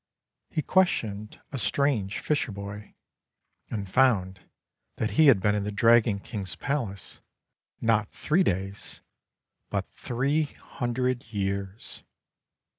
He questioned a strange fisherboy, and found that he had been in the Dragon King's palace, not three days but three hundred years.